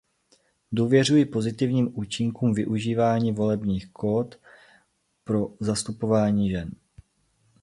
Důvěřuji pozitivním účinkům využívání volebních kvót pro zastoupení žen.